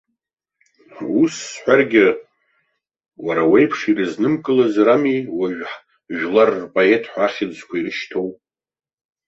Ус сҳәаргьы, уара уеиԥш ирызнымкылаз рами уажәы жәлар рпоет ҳәа ахьӡқәа ирышьҭоу.